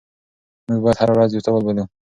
موږ بايد هره ورځ يو څه ولولو.